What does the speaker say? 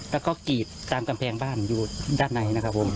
แล้วก็กีดตามกำแพงบ้านอยู่ด้านใน